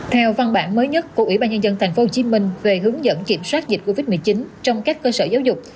theo văn bản mới nhất của ủy ban nhân dân tp hcm về hướng dẫn kiểm soát dịch covid một mươi chín trong các cơ sở giáo dục